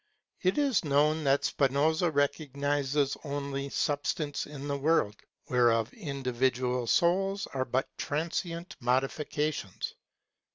It is known that Spinoza recognizes only substance in the world, whereof individual souls are but transient modifications.